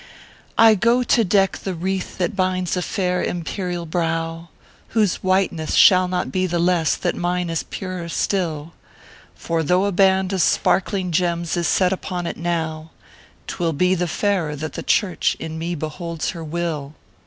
" I go to deck the wreath that binds a fair, imperial brow, Whose whiteness shall not be the less that mine is purer still ; For though a band of sparkling gems is set upon it now, Twill be the fairer that the Church in me beholds her will."